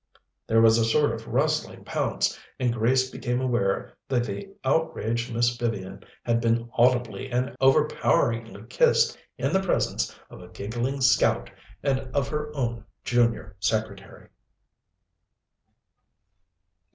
There was a sort of rustling pounce, and Grace became aware that the outraged Miss Vivian had been audibly and overpoweringly kissed in the presence of a giggling Scout and of her own junior secretary.